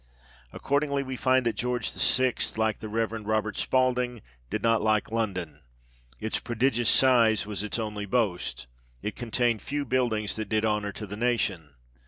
Accordingly, we find that George VI., like the Reverend Robert Spalding, " did not like London." " Its prodigious size was its only boast : it contained few buildings that did honour to the nation.